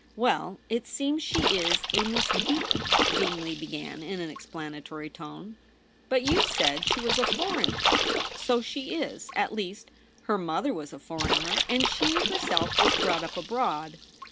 'Well, it seems she is a Miss Beaton,' Bingley began, in an explanatory tone. * But you said she was a foreigner.' ' So she is — at least, her mother was a foreigner, and she herself was brought up abroad.'